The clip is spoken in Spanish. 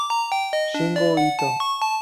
Shingo Ito